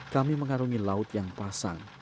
kami mengarungi laut yang pasang